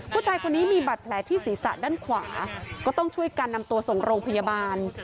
ผู้ชายคนนี้มีบัตรแผลที่ศีรษะด้านขวาก็ต้องช่วยการนำตัวส่งโรงพยาบาล